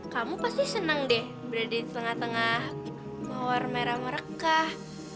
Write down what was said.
kamu pasti senang deh berada di tengah tengah mawar merah mereka